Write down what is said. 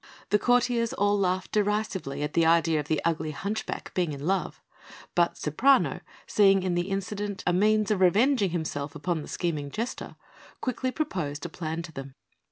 The courtiers all laughed derisively at the idea of the ugly hunchback being in love; but Ceprano, seeing in the incident a means of revenging himself upon the scheming Jester, quickly proposed a plan to them.